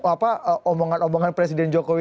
apa omongan omongan presiden jokowi